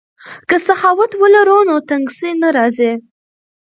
که سخاوت ولرو نو تنګسي نه راځي.